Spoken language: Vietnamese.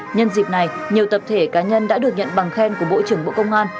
nhân dịp này nhiều tập thể cá nhân đã được nhận bằng khen của bộ trưởng bộ công an